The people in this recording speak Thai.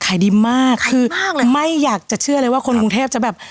ขายดีมากคือไม่อยากจะเชื่อได้ว่าคนกรุงเทพฯจะแบบ